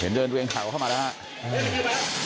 เห็นเดินเรืองเขาเข้ามาแล้วฮะ